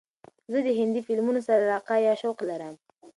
زه د هندې فیلمونو سره علاقه یا شوق لرم.